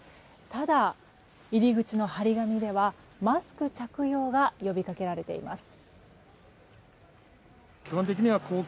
ただ、入り口の貼り紙ではマスク着用が呼びかけられています。